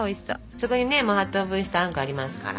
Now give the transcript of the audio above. そこにねもう８等分したあんこありますから。